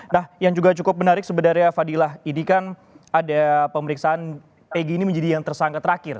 nah yang juga cukup menarik sebenarnya fadilah ini kan ada pemeriksaan egy ini menjadi yang tersangka terakhir